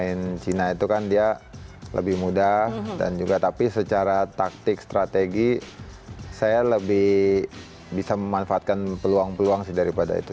pemain cina itu kan dia lebih mudah dan juga tapi secara taktik strategi saya lebih bisa memanfaatkan peluang peluang sih daripada itu